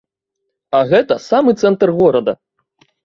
А гэта самы цэнтр горада!